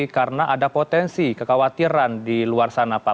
karena ada potensi kekhawatiran di luar sana pak